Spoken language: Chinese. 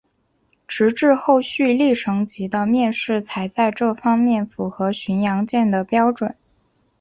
直至后续丽蝇级的面世才在这方面符合巡洋舰的标准。